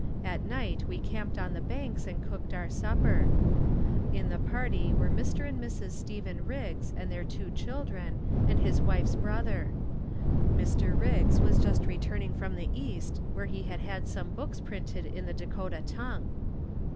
At night we camped on the banks and cooked our supper. In the party were Mr. and Mrs. Steven Riggs and their two children and his wife's brother. Dr. Riggs was just returning from the east where he had had some books printed in the Dakota tongue.